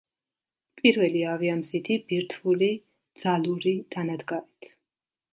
პირველი ავიამზიდი ბირთვული ძალური დანადგარით.